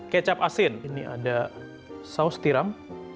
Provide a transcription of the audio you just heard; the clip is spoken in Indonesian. kecap asin ini ada saus tiram